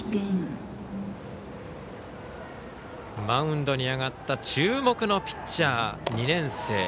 マウンドに上がった注目のピッチャー、２年生。